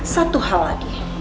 satu hal lagi